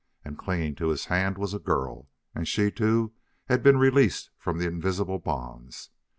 And, clinging to his hand, was a girl; and she, too, had been released from the invisible bonds.